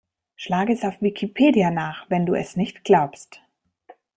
Schlage es auf Wikipedia nach, wenn du es nicht glaubst!